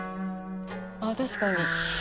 ああ確かに。